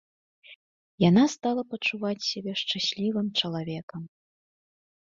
Яна стала пачуваць сябе шчаслівым чалавекам.